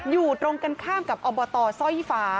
อยู่ตรงกันข้ามกับอบตสร้อยฟ้า